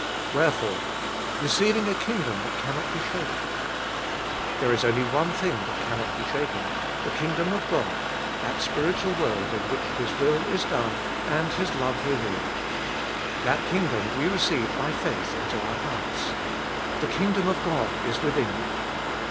Wherefore, receiving a kingdom that cannot be shaken. There is only one thing that cannot be shaken : the kingdom of God — that spiritual world in which His will is done and His love revealed. That kingdom we receive by faith into our hearts. The kingdom of God is within you.